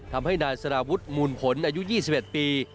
ทำให้นายสารวุฒิมูลผลอายุ๒๑ปี